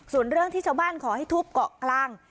ส่วนเรื่องที่ชาวบ้านขอให้ทุบเกาะกลาง